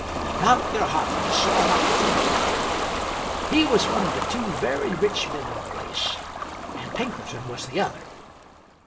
"Dr." Harkness saw an opportunity here. He was one of the two very rich men of the place, and Pinkerton was the other.